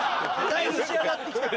だいぶ仕上がって来た。